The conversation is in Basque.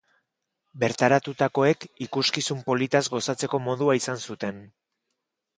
Bertaratutakoek ikuskizun politaz gozatzeko modua izan zuten.